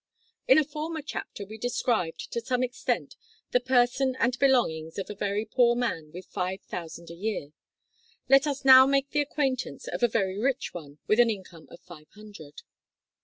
In a former chapter we described, to some extent, the person and belongings of a very poor man with five thousand a year. Let us now make the acquaintance of a very rich one with an income of five hundred.